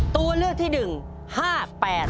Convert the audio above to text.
ตัวเลือกที่๑๕๘๓ครับ